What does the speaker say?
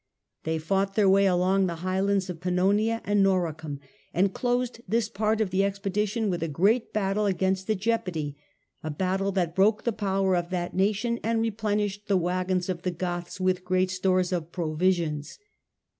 They fought their way along the highlands of Pannonia and Noricum, and closed this part of the expedition with a great battle against the Gepidae — a battle that broke the power of that nation and re plenished the waggons of the Goths with great stores of provisions.